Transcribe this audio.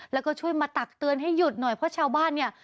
แล้วก็ช่วยมาตักเตือนให้หยุดหน่อยเพราะชาวบ้านเนี่ย